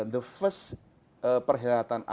the first perkhidmatan adalah